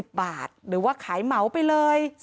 เพราะทนายอันนันชายเดชาบอกว่าจะเป็นการเอาคืนยังไง